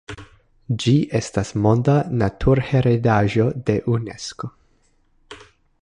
Ĝi estas Monda Naturheredaĵo de Unesko.